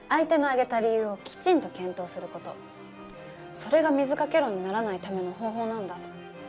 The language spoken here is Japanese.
それが水掛け論にならないための方法なんだ。